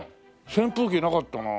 扇風機なかったな。